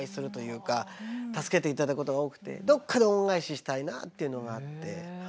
助けていただくことが多くてどっかで恩返ししたいなっていうのがあって。